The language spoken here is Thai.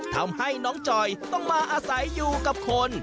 ทำให้น้องจอยต้องมาอาศัยอยู่กับคน